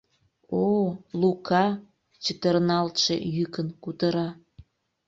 — О-о, Лука! — чытырналтше йӱкын кутыра.